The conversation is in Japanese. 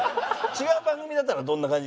違う番組だったらどんな感じ？